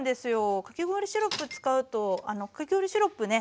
かき氷シロップ使うとかき氷シロップね